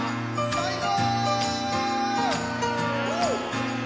最高！